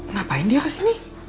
ngapain dia kesini